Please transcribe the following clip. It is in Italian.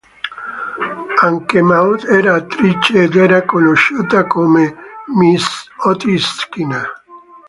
Anche Maud era attrice ed era conosciuta come Mrs. Otis Skinner.